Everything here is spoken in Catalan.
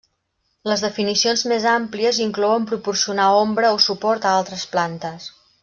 Les definicions més àmplies inclouen proporcionar ombra o suport a altres plantes.